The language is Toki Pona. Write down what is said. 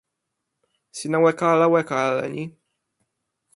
sina weka ala weka e ale ni?